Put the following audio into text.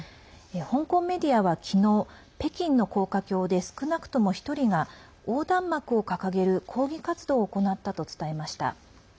香港メディアは昨日北京の高架橋で少なくとも１人が横断幕を掲げる抗議活動を行ったと伝えました。